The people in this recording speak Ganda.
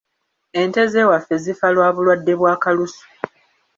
Ente z’ewaffe zifa lwa bulwadde bwa Kalusu.